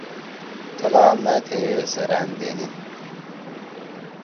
تھلا مأ تھیئے سیرأن دینیِن۔